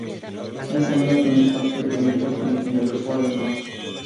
Ese año Túnez consiguió el primer puesto en el grupo Norte.